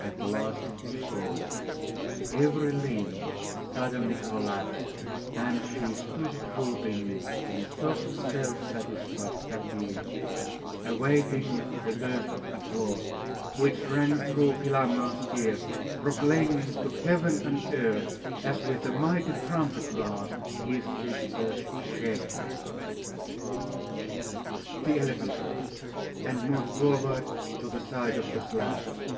At last it was over. Every limb suddenly collapsed, and she stood drooping in soft self satisfied fatigue, awaiting the burst of applause which rang through Philammon's ears, proclaiming to heaven and earth, as with a mighty trumpet blast, his sister's shame. The elephant rose, and moved forward to the side of the slabs.